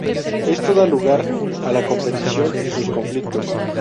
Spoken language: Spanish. Esto da lugar a la competición y sus conflictos.